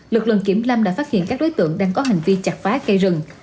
lực lượng kiểm lâm đã phát hiện các đối tượng đang có hành vi chặt phá cây rừng